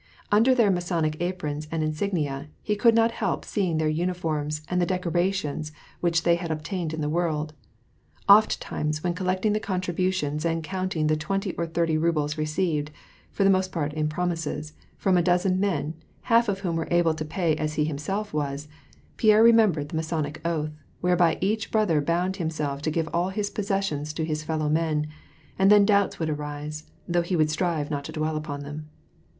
Under their Masonic aprons and insignia, he could not help seeing their uniforms and the decorations which they had obtained in the world. Ofttimes, when collecting the contributions and counting the twenty or thirty rubles received — for the most part in promises — from a dozen men, half of whom were as able to pay as he himself was, Pierre remembered the Masonic oath, wliereby each brother bound himself to give all his possessions to his fellow men, and then doubts would arise, though he would strive not to dwell upon them.